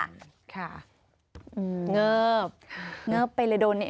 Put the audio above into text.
ค่ะงือบงือบไปเลยโดน